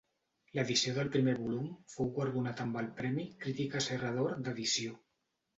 L'edició del primer volum fou guardonat amb el premi Crítica Serra d'Or d'edició.